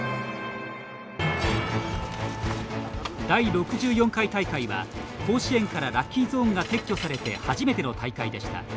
第６４回大会は、甲子園からラッキーゾーンが撤去されて初めての大会でした。